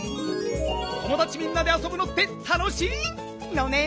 ともだちみんなであそぶのってたのしいのね！